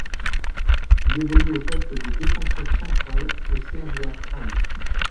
Il évolue au poste de défenseur central au Slavia Prague.